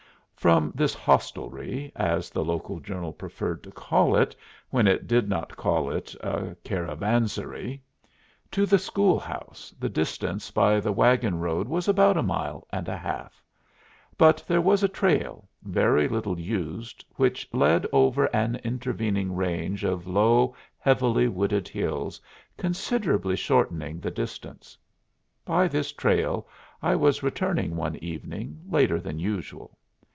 From this "hostelry" (as the local journal preferred to call it when it did not call it a "caravanserai") to the schoolhouse the distance by the wagon road was about a mile and a half; but there was a trail, very little used, which led over an intervening range of low, heavily wooded hills, considerably shortening the distance. By this trail I was returning one evening later than usual.